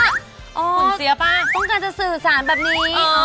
ต้องการจะสื่อสารแบบนี้